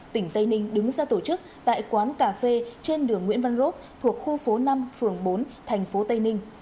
tỉnh tây ninh đứng ra tổ chức tại quán cà phê trên đường nguyễn văn rốc thuộc khu phố năm phường bốn thành phố tây ninh